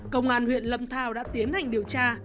công an huyện lâm thao đã tiến hành điều tra